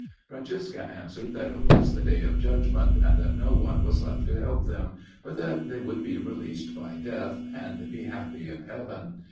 Francisca answered that it was the day of judgment, and that no one was left to help them, but that they would be released by death, and be happy in Heaven.